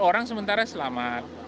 empat orang sementara selamat